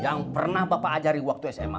yang pernah bapak ajari waktu sma